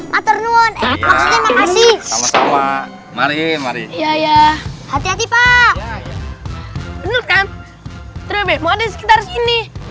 maksudnya makasih mari mari iya hati hati pak bener kan terlalu ada di sekitar sini